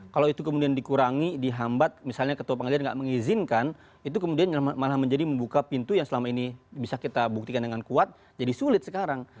kalau itu kemudian dikurangi dihambat misalnya ketua pengadilan tidak mengizinkan itu kemudian malah menjadi membuka pintu yang selama ini bisa kita buktikan dengan kuat jadi sulit sekarang